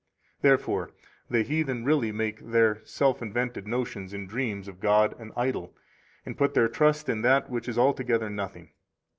20 Therefore the heathen really make their self invented notions and dreams of God an idol, and put their trust in that which is altogether nothing.